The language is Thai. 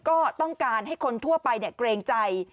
ก็ต้องการให้คนทั่วไปเกรงใจ